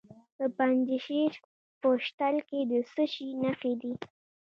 د پنجشیر په شتل کې د څه شي نښې دي؟